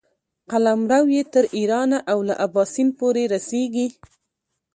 قلمرو یې تر ایرانه او له اباسین پورې رسېږي.